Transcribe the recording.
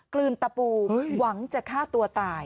กลืนตะปูหวังจะฆ่าตัวตาย